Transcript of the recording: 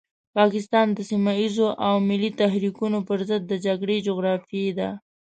پاکستان د سيمه ييزو او ملي تحريکونو پرضد د جګړې جغرافيې ده.